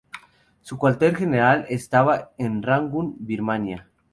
Su cuartel general estaba en Rangún, Birmania.